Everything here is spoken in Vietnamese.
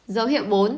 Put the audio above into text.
dấu hiệu bốn